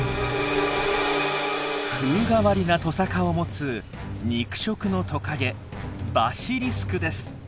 風変わりなトサカを持つ肉食のトカゲバシリスクです。